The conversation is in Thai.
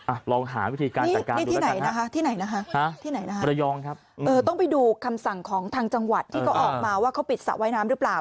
อ่ะลองหาวิธีการจัดการดูละกันนะฮะต้องไปดูคำสั่งของทางจังหวัดที่ก็ออกมาว่าเขาปิดสระว่ายน้ำหรือเปล่า